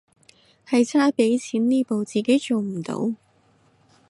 係差畀錢呢步自己做唔到